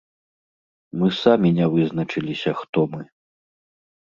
Мы самі не вызначыліся, хто мы.